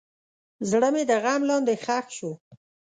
زړه مې د غم لاندې ښخ شو.